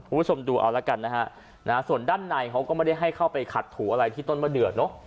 คุณผู้ชมดูเอาละกันนะฮะส่วนด้านในเขาก็ไม่ได้ให้เข้าไปขัดถูอะไรที่ต้นมะเดือดเนอะ